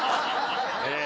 ええ。